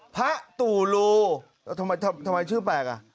ตู่ลูทำไมชื่อแปลกอ่ะ